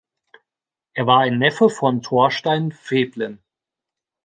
Er war ein Neffe von Thorstein Veblen.